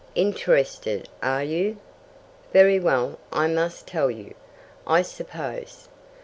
"Interested, are you? Very well, I must tell you, I suppose.